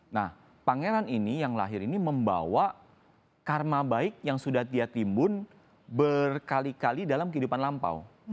nah pangeran ini yang lahir ini membawa karma baik yang sudah dia timbun berkali kali dalam kehidupan lampau